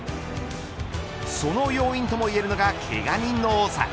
その要因ともいえるのがけが人の多さ。